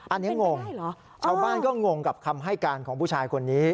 อันนี้งงชาวบ้านก็งงกับคำให้การของผู้ชายคนนี้